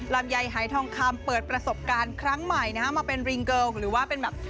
ลำไยหายทองคำเปิดประสบการณ์ครั้งใหม่นะฮะมาเป็นริงเกิลหรือว่าเป็นแบบ